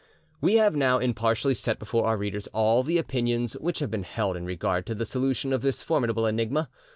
We have now impartially set before our readers all the opinions which have been held in regard to the solution of this formidable enigma.